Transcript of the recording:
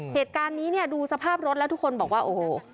เหตุการณ์นี้เนี่ยดูสภาพรถแล้วทุกคนบอกว่าโอ้โห